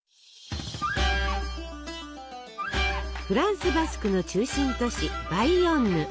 フランス・バスクの中心都市バイヨンヌ。